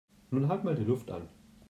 Nun halt mal die Luft an